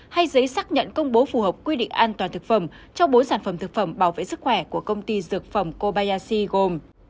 hay giấy xác nhận công bố phù hợp quy định an toàn thực phẩm cho bốn sản phẩm thực phẩm bảo vệ sức khỏe của công ty dược phẩm kobayashi gồm